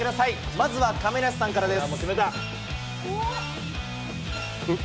まずは亀梨さんからです。